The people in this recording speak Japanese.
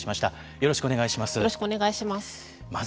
よろしくお願いします。